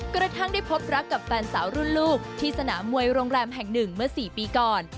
กระทั่งได้พบรักกับแฟนสาวรุ่นลูกที่สนามมวยโรงแรมแห่งหนึ่งเมื่อ๔ปีก่อน